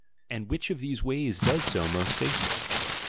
And which of these ways does so most safely?